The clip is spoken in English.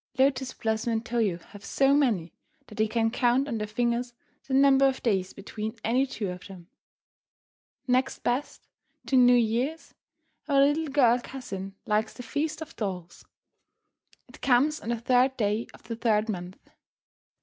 Lotus Blossom and Toyo have so many that they can count on their fingers the number of days between any two of them. Next best to New Year's, our little girl cousin likes the Feast of Dolls. It comes on the third day of the third month.